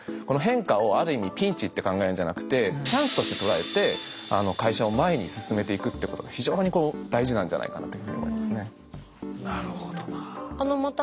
この変化をある意味ピンチって考えるんじゃなくてチャンスとしてとらえて会社を前に進めていくってことが非常に大事なんじゃないかなというふうに思いますね。